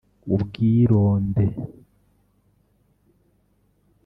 ubwironde